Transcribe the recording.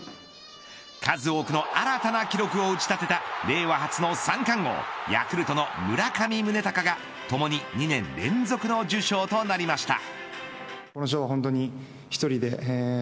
数多くの新たな記録を打ち立てた令和初の三冠王ヤクルトの村上宗隆がともに２年連続の受賞となりました。